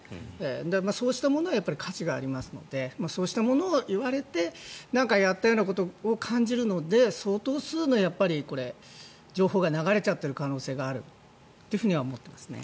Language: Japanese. そうしたものはやはり価値がありますのでそうしたものを言われてやったようなことを感じるので相当数の情報が流れちゃってる可能性があると思ってますね。